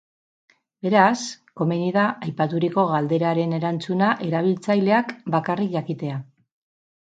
Beraz, komeni da aipaturiko galderaren erantzuna erabiltzaileak bakarrik jakitea.